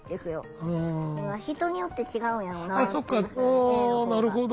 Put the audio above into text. あなるほど。